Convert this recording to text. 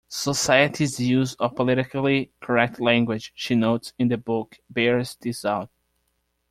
Society's use of politically correct language, she notes in the book, bears this out.